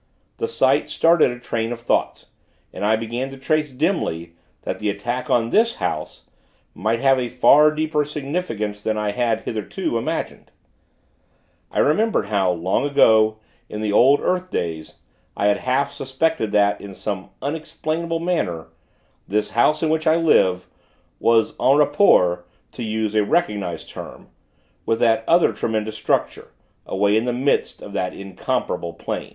The sight started a train of thoughts, and I began to trace, dimly, that the attack on this house, might have a far deeper significance than I had, hitherto, imagined. I remembered how, long ago, in the old earth days, I had half suspected that, in some unexplainable manner, this house, in which I live, was en rapport to use a recognized term with that other tremendous structure, away in the midst of that incomparable Plain.